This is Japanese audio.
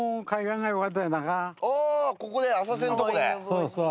そうそう。